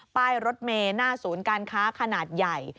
ป้ายรถเมย์หน้าศูนย์การค้าขนาดใหญ่